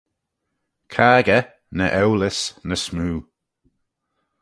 Caggey, ny eulys, ny smoo.